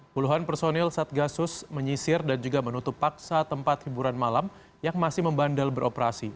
puluhan personil satgasus menyisir dan juga menutup paksa tempat hiburan malam yang masih membandel beroperasi